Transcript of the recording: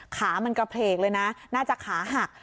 ขามันกระเพลกเลยนะน่าจะขาหัก